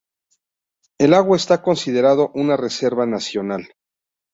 El lago está considerado una reserva nacional.